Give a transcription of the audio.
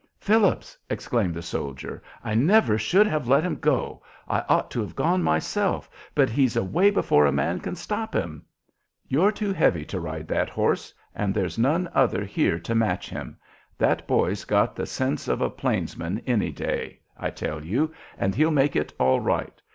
"Phillips," exclaimed the soldier, "I never should have let him go. I ought to have gone myself; but he's away before a man can stop him." "You're too heavy to ride that horse, and there's none other here to match him. That boy's got the sense of a plainsman any day, I tell you, and he'll make it all right.